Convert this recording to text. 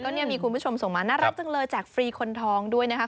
นี่มีคุณผู้ชมส่งมาน่ารักจังเลยแจกฟรีคนทองด้วยนะคะ